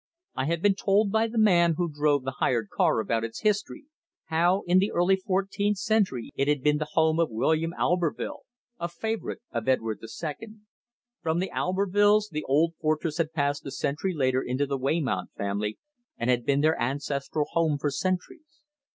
I had been told by the man who drove the hired car about its history, how in the early fourteenth century it had been the home of William Auberville, a favourite of Edward II. From the Aubervilles the old fortress had passed a century later into the Weymount family, and had been their ancestral home for centuries.